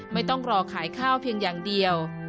ไม่ต้องรอขายข้าวเพียงอย่างเดียว